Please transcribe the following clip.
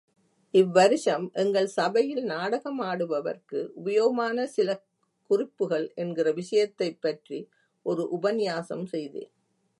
இவ்வருஷம் எங்கள் சபையில் நாடகமாடுபவர்க்கு உபயோகமான சில குறிப்புகள் என்கிற விஷயத்தைப் பற்றி ஒரு உபன்யாசம் செய்தேன்.